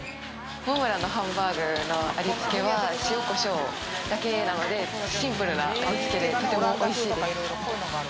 モンブランのハンバーグの味つけは塩コショウだけなので、シンプルな味つけで、とてもおいしいです。